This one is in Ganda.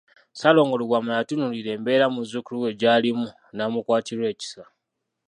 Ssaalongo Lubwama yatunuulira embeera muzzukulu we gy'alimu n'amukwatirwa ekisa.